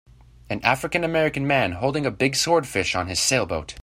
An African American man holding a big sword fish on his sailboat.